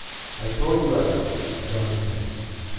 "I told you I was," Johnny said.